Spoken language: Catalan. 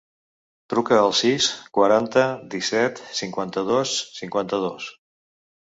Truca al sis, quaranta, disset, cinquanta-dos, cinquanta-dos.